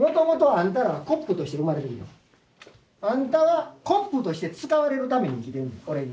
あんたらコップとして使われるために生きてんねん。